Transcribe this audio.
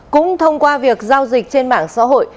cũng thông qua việc giao dịch trên mạng xã hội